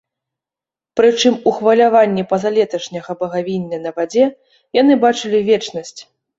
Прычым у хваляванні пазалеташняга багавіння на вадзе яны бачылі вечнасць.